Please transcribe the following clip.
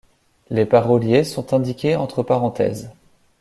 Les paroliers sont indiqués entre parenthèses.